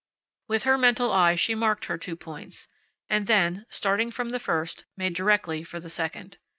With her mental eye she marked her two points, and then, starting from the first, made directly for the second.